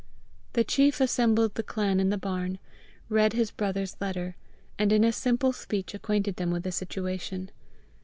The chief assembled the clan in the barn, read his brother's letter, and in a simple speech acquainted them with the situation.